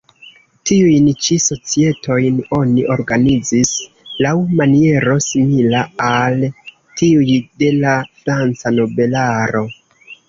Tiujn ĉi societojn oni organizis laŭ maniero simila al tiuj de la franca nobelaro.